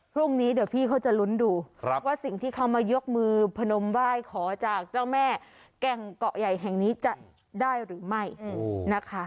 พรุ่งนี้เดี๋ยวพี่เขาจะลุ้นดูว่าสิ่งที่เขามายกมือพนมไหว้ขอจากเจ้าแม่แก่งเกาะใหญ่แห่งนี้จะได้หรือไม่นะคะ